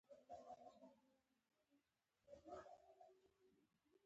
ښاغلي ولیزي د کتاب لپاره ناشر هم پیدا کړ.